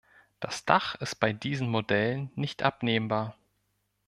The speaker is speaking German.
Das Dach ist bei diesen Modellen nicht abnehmbar.